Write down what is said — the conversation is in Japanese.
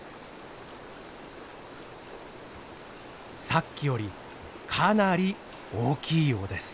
さっきよりかなり大きいようです。